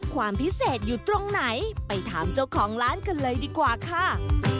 ความพิเศษอยู่ตรงไหนไปถามเจ้าของร้านกันเลยดีกว่าค่ะ